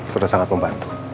sudah sangat membantu